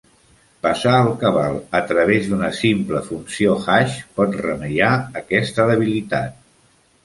Passar el cabal a través d'una simple funció hash pot remeiar aquesta debilitat.